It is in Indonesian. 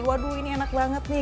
waduh ini enak banget nih